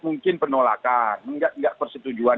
mungkin penolakan nggak persetujuan